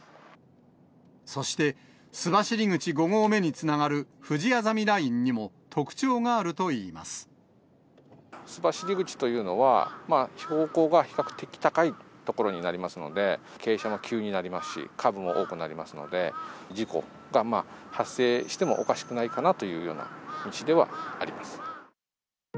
そして、須走口５合目につながるふじあざみラインにも、特徴があるといい須走口というのは、標高が比較的高い所になりますので、傾斜も急になりますし、カーブも多くなりますので、事故が発生してもおかしくないかなというような道ではあります。